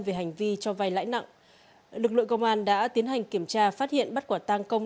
về hành vi cho vay lãi nặng lực lượng công an đã tiến hành kiểm tra phát hiện bắt quả tang công